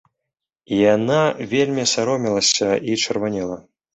Яна вельмі саромелася і чырванела.